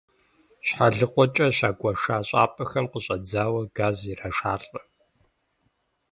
Щхьэлыкъуэкӏэ щагуэша щӏапӏэхэм къыщӏадзауэ газ ирашалӏэ.